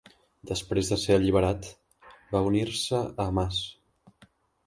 Després de ser alliberat, va unir-se a Hamàs.